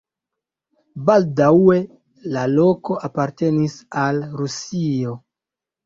Baldaŭe la loko apartenis al Rusio.